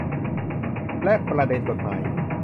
และประเด็นกฎหมาย